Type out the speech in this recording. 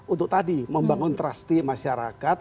untuk tadi membangun trusty masyarakat